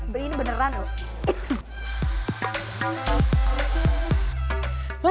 beri ini beneran loh